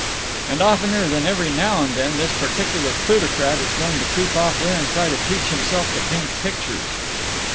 "And oftener than every now and then this particular plutocrat is going to creep off there and try to teach himself to paint pictures."